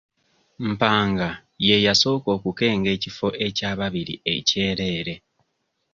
Mpanga ye yasooka okukenga ekifo ekyababiri ekyereere.